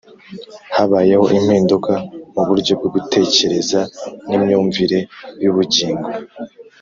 habayeho impinduka mu buryo bwo gutekereza n'imyumvire y'ubugingo,